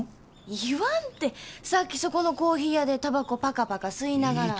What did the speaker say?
言わんってさっきそこのコーヒー屋でたばこパカパカ吸いながら。